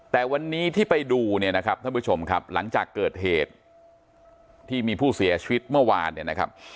แต่วันนี้ที่ไปดูเนี่ยนะครับท่านผู้ชมครับหลังจากเกิดเหตุที่มีผู้เสียชีวิตเมื่อวานเนี่ยนะครับ